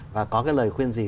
và có cái lời khuyên gì